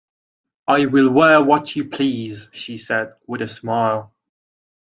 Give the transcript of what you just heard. "I will wear what you please," she said, with a smile.